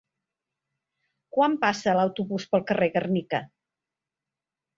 Quan passa l'autobús pel carrer Gernika?